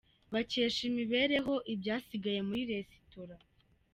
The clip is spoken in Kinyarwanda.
Bakesha imibereho ibyasigaye muri resitora